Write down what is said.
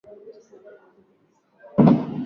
Mwaka wa elfu moja mia tisa tisini na nane